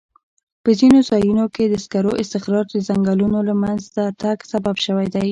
په ځینو ځایونو کې د سکرو استخراج د ځنګلونو له منځه تګ سبب شوی.